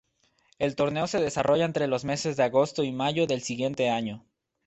El torneo se desarrolla entre los meses de agosto y mayo del siguiente año.